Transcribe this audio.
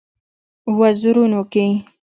وزرونو کې